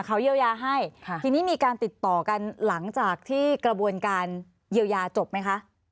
เขาเยียวยาให้ทีนี้มีการติดต่อกันหลังจากที่กระบวนการเยียวยาจบไหมคะ